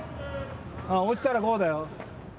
落ちたらゴーだよ。